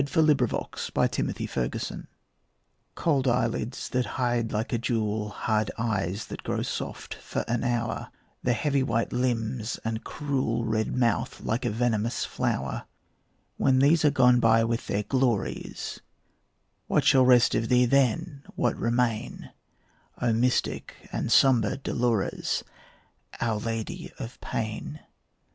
DOLORES (NOTRE DAME DES SEPT DOULEURS) Cold eyelids that hide like a jewel Hard eyes that grow soft for an hour; The heavy white limbs, and the cruel Red mouth like a venomous flower; When these are gone by with their glories, What shall rest of thee then, what remain, O mystic and sombre Dolores, Our Lady of Pain?